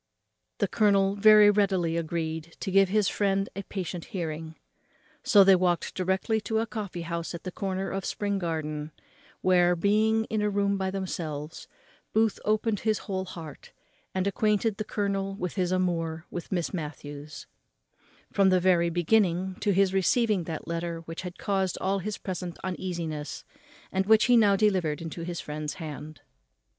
The colonel very readily agreed to give his friend a patient hearing. So they walked directly to a coffee house at the corner of Spring Garden, where, being in a room by themselves, Booth opened his whole heart, and acquainted the colonel with his amour with Miss Matthews, from the very beginning to his receiving that letter which had caused all his present uneasiness, and which he now delivered into his friend's hand.